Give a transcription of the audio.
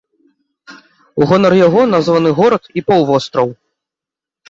У гонар яго названы горад і паўвостраў.